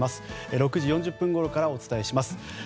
６時４０分ごろからお伝えします。